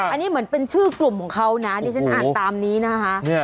อันนี้เหมือนเป็นชื่อกลุ่มของเขานะดิฉันอ่านตามนี้นะคะ